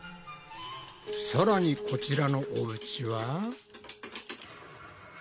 さらにこちらのおうちは。